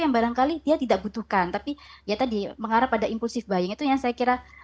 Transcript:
yang barangkali dia tidak butuhkan tapi ya tadi mengarah pada impulsive buying itu yang saya kira